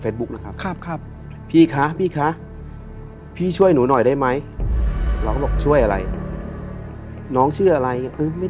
ใช่ครับพอโพสต์ไปได้ไม่ถึง๓นาทีเขาโทรมา